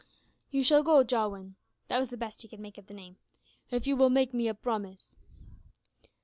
"You shall go, Jowin," (that was the best he could make of the name), "if you will make me a promise."